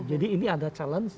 jadi ini ada challenge